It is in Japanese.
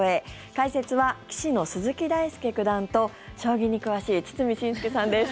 解説は棋士の鈴木大介九段と将棋に詳しい堤伸輔さんです。